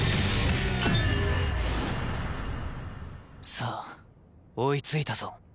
さあ追いついたぞ。